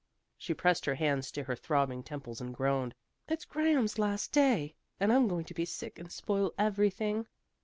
She pressed her hands to her throbbing temples and groaned. "It's Graham's last day, and I'm going to be sick and spoil everything."